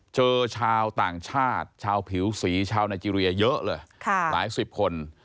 ชาวต่างชาติชาวผิวสีชาวไนเจรียเยอะเลยหลายสิบคน